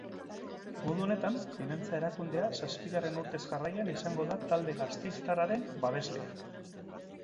Modu honetan, finantza erakundea zazpigarren urtez jarraian izango da talde gasteiztarraren babeslea.